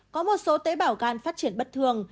có một số tế bào gan phát triển bất thường